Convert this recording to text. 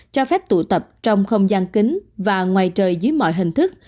cho phép tụ tập trong không gian kính và ngoài trời dưới mọi hình thức